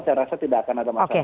saya rasa tidak akan ada masalah